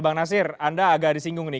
bang nasir anda agak disinggung nih